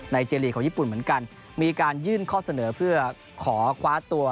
เจลีกของญี่ปุ่นเหมือนกันมีการยื่นข้อเสนอเพื่อขอคว้าตัว